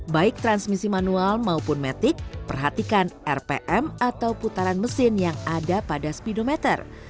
baik transmisi manual maupun metik perhatikan rpm atau putaran mesin yang ada pada speedometer